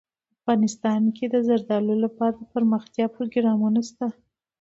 افغانستان کې د زردالو لپاره دپرمختیا پروګرامونه شته دي.